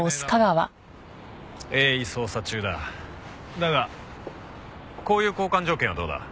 だがこういう交換条件はどうだ？